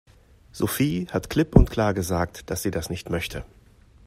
Sophie hat klipp und klar gesagt, dass sie das nicht möchte.